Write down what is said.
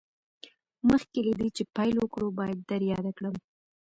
مخکې له دې چې پیل وکړو باید در یاده کړم